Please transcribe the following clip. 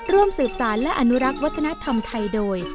ร่วมสืบสารและอนุรักษ์วัฒนธรรมไทยโดย